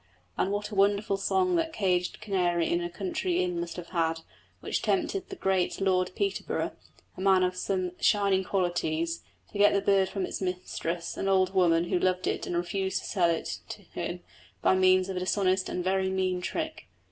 And what a wonderful song that caged canary in a country inn must have had, which tempted the great Lord Peterborough, a man of some shining qualities, to get the bird from its mistress, an old woman who loved it and refused to sell it to him, by means of a dishonest and very mean trick.